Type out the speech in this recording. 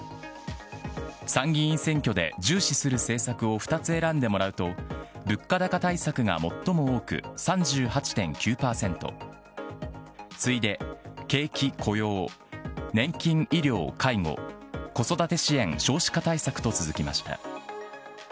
参議院選挙で重視する政策を２つ選んでもらうと、物価高対策が最も多く３８．９％、次いで景気・雇用、年金・医療・介護、子育て支援・少子化対策と続きました。